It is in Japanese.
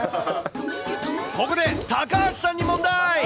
ここで高橋さんに問題。